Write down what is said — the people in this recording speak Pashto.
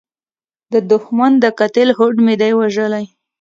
د دوښمن د قتل هوډ مې دی وژلی